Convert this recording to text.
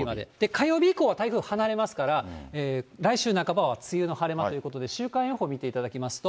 火曜日以降は台風離れますから、来週半ばは梅雨の晴れ間ということで、週間予報見ていただきますと。